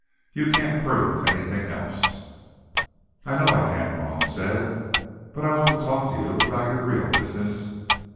You can't prove anything else." "I know I can't," Malone said. "But I want to talk to you about your real business."